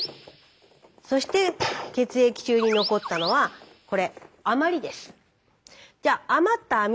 そして血液中に残ったのはこれ余りです。